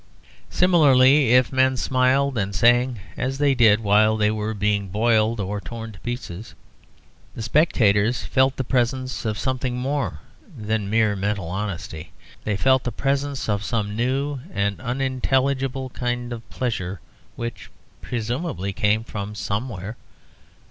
Similarly, if men smiled and sang (as they did) while they were being boiled or torn in pieces, the spectators felt the presence of something more than mere mental honesty: they felt the presence of some new and unintelligible kind of pleasure, which, presumably, came from somewhere.